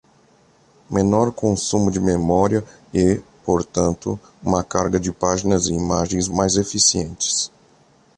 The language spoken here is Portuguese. Menor consumo de memória e, portanto, uma carga de páginas e imagens mais eficientes.